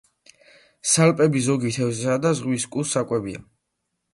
სალპები ზოგი თევზისა და ზღვის კუს საკვებია.